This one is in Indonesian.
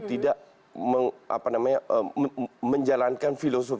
tidak menjalankan filosofi